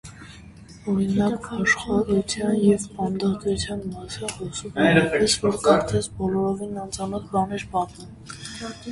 օրինակ՝ վաշխառության և պանդխտության մասին խոսում էր այնպես, որ կարծես բոլորովին անծանոթ բան էր պատմում: